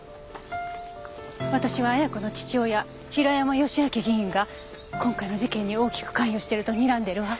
私は亜矢子の父親平山義昭議員が今回の事件に大きく関与してるとにらんでいるわ。